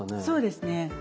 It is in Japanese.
そうですね。